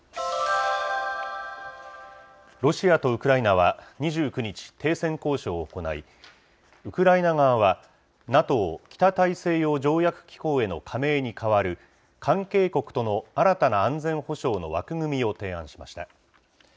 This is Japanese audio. ロシアとウクライナは２９日、停戦交渉を行い、ウクライナ側は、ＮＡＴＯ・北大西洋条約機構への加盟に代わる、関係国との新たな安全保障の枠組みを提案しました。